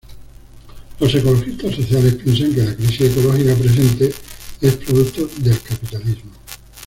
Los ecologistas sociales piensan que la crisis ecológica presente es producto del capitalismo.